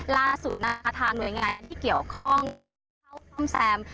ล่าสุดนะคะทางหน่วยงานที่เกี่ยวข้องเข้าซ่อมแซม